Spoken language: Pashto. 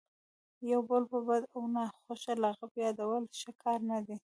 یو بل په بد او ناخوښه لقب یادول ښه کار نه دئ.